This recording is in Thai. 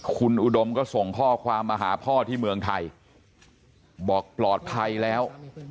คุณอุดมก็ส่งข้อความมาหาพ่อที่เมืองไทยบอกปลอดภัยแล้ว